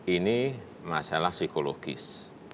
ini masalah psikologis